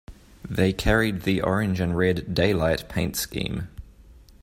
They carried the orange and red "Daylight" paint scheme.